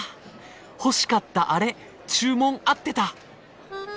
欲しかったアレ注文合ってた。